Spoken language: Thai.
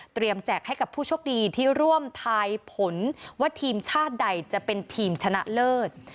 แจกให้กับผู้โชคดีที่ร่วมทายผลว่าทีมชาติใดจะเป็นทีมชนะเลิศ